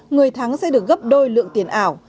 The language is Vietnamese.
người thắng sẽ được gấp đôi lượng tiền ảo